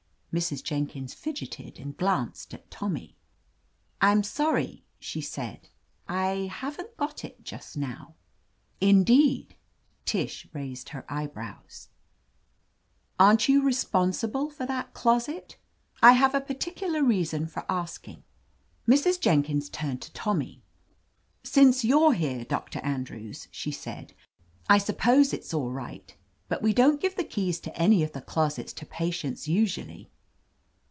Mrs. Jenkins fidgeted, and glanced at Tommy. "I'm sorry," she said. "I — haven't got it just now." 'Indeed!" Tish raised her eyebrows. 173 <r if THE AMAZING ADVENTURES "Aren't you responsible for that closet? I have a particular reason for asking." Mrs. Jenkins turned to Tommy. "Since you're here, Doctor Andrews," she said, "I suppose it's all right, but we don't give the keys to any of the closets to patients usually."